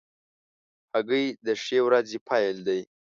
هګۍ د ښې ورځې پیل دی.